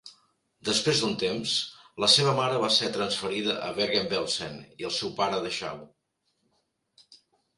Després d'un temps, la seva mare va ser transferida a Bergen-Belsen i el seu pare a Dachau.